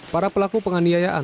para pelaku penganiayaan